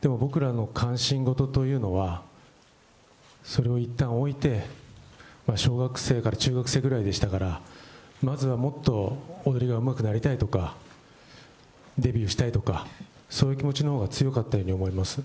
でも僕らの関心事というのは、それをいったん置いて、小学生から中学生ぐらいでしたから、まずはもっと踊りがうまくなりたいとか、デビューしたいとか、そういう気持ちの方が強かったように思います。